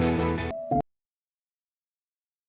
อะไรอยู่หลายอย่าง